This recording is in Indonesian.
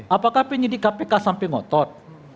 apakah penyidik kpk sampai ngotot